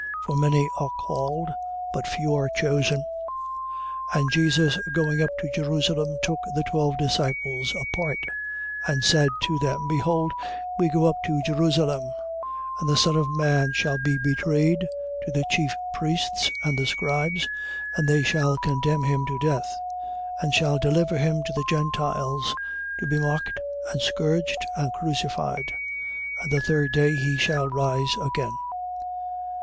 For many are called but few chosen. 20:17. And Jesus going up to Jerusalem, took the twelve disciples apart and said to them: 20:18. Behold we go up to Jerusalem, and the Son of man shall be betrayed to the chief priests and the scribes: and they shall condemn him to death. 20:19. And shall deliver him to the Gentiles to be mocked and scourged and crucified: and the third day he shall rise again.